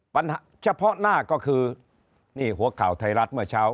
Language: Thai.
ปัญหาเฉพาะหน้าก็คือนี่หัวข่าวไทยรัฐเมื่อเช้า